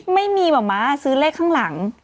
ไม่มีแบบม้าซื้อเลขข้างหลัง